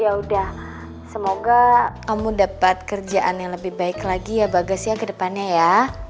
ya udah semoga kamu dapat kerjaan yang lebih baik lagi ya bagas ya ke depannya ya